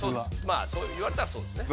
まあそう言われたらそうですね。